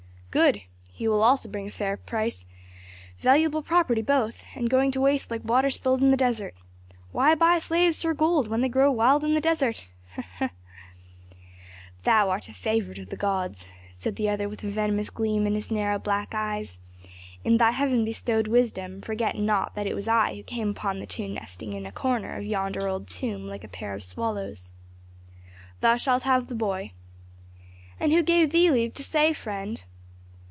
"Good! He also will bring a fair price. Valuable property both, and going to waste like water spilled in the desert. Why buy slaves for gold, when they grow wild in the desert?" And the speaker laughed under his breath. "Thou art a favorite of the gods," said the other with a venomous gleam in his narrow black eyes. "In thy heaven bestowed wisdom forget not that it was I who came upon the two nesting in a corner of yonder old tomb like a pair of swallows." "Thou shalt have the boy." "And who gave thee leave to say, friend?"